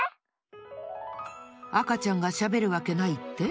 赤ちゃんがしゃべるわけないって？